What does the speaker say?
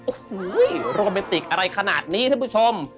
โอ้โหโรแมนติกอะไรขนาดนี้ท่านผู้ชม